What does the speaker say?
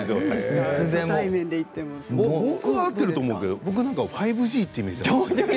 僕は合っていると思うけど５Ｇというイメージ。